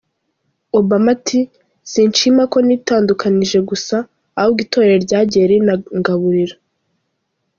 Obama ati, "Sinshima ko nitandukanije gusa, ahubwo itorero ryagiye rinangaburira.